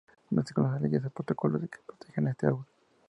No se conocen leyes o protocolos que protejan este árbol.